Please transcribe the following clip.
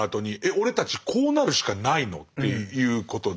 俺たちこうなるしかないの？っていうことで。